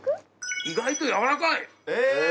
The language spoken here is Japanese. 意外とやわらかい！へ！